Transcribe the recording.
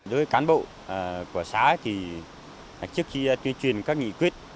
đối với cán bộ của xã thì trước khi tuyên truyền các nghị quyết